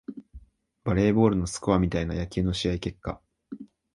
バレーボールのスコアみたいな野球の試合結果